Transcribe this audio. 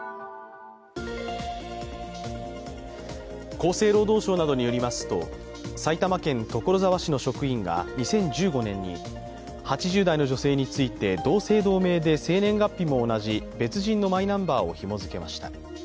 厚生労働省などによりますと埼玉県所沢市の職員が２０１５年に８０代の女性について同姓同名で生年月日も同じ別人のマイナンバーをひも付けました。